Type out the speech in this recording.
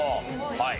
はい。